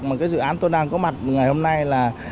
mà cái dự án tôi đang có mặt ngày hôm nay là